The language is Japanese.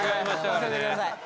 忘れてください。